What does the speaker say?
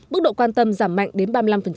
mức độ quan tâm giảm mạnh đến ba mươi năm